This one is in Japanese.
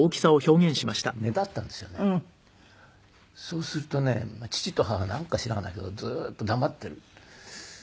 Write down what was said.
そうするとね父と母なんか知らないけどずっと黙っている。